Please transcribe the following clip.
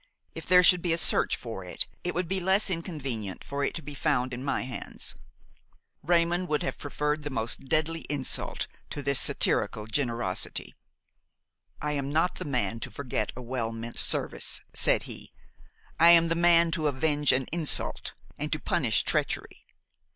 If there should be a search for it, it would be less inconvenient for it to be found in my hands." Raymon would have preferred the most deadly insult to this satirical generosity. "I am not the man to forget a well meant service," said he; "I am the man to avenge an insult and to punish treachery."